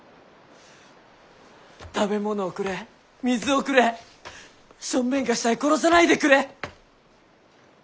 食べ物をくれ水をくれ小便がしたい殺さないでくれ。